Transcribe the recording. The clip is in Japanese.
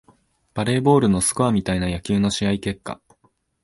バレーボールのスコアみたいな野球の試合結果